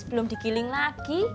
belum dikiling lagi